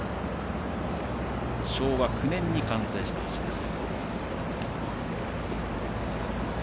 昭和９年に完成した橋です。